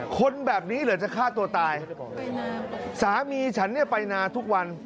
คนแบบนี้เหลือจะฆ่าตัวตายสามีฉันเนี่ยไปนาทุกวัน